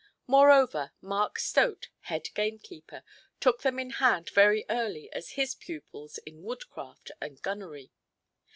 Moreover, Mark Stote, head gamekeeper, took them in hand very early as his pupils in woodcraft and gunnery.